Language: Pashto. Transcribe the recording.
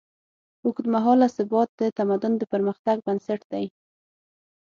اوږدمهاله ثبات د تمدن د پرمختګ بنسټ دی.